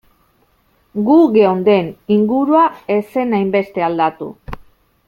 Gu geunden, ingurua ez zen hainbeste aldatu.